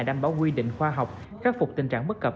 đảm bảo quy định khoa học khắc phục tình trạng bất cập